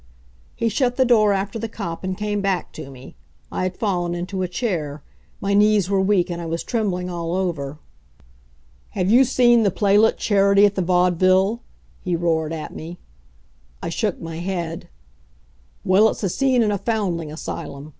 He shut the door after the cop, and came back to me. I had fallen into a chair. My knees were weak, and I was trembling all over. "Have you seen the playlet Charity at the Vaudeville?" he roared at me. I shook my head. "Well, it's a scene in a foundling asylum.